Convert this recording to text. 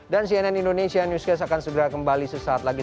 dan cnn indonesian newscast akan segera kembali sesaat lagi